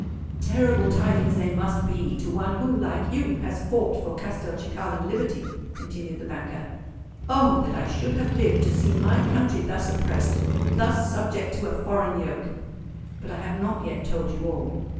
"Terrible tidings they must be to one who, like you, has fought for Castelcicalan liberty," continued the banker. "Oh! that I should have lived to see my country thus oppressed—thus subject to a foreign yoke! But I have not yet told you all.